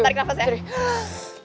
tarik nafas ya